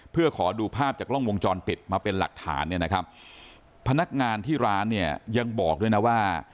เพื่อขอดูภาพจากกล้องวงจรปิดมาเป็นหลักฐานเนี่ยนะครับพนักงานที่ร้านเนี่ยยังบอกด้วยนะว่า